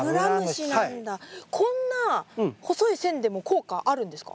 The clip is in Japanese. こんな細い線でも効果あるんですか？